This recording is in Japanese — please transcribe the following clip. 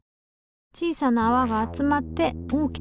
小さなあわが集まって大きくなってく。